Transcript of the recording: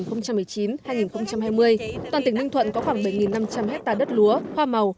toàn tỉnh ninh thuận có khoảng bảy năm trăm linh hectare đất lúa hoa màu